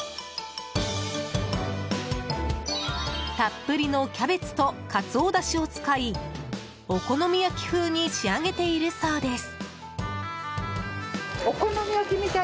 たっぷりのキャベツとカツオだしを使いお好み焼き風に仕上げているそうです。